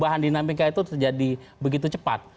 perubahan di danmika itu terjadi begitu cepat